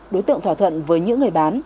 đối tượng thỏa thuận với những người bán